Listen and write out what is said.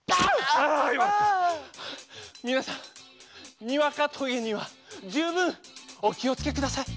みなさんにわかとげにはじゅうぶんおきをつけください。